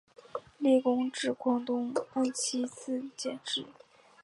累官至广东按察司佥事。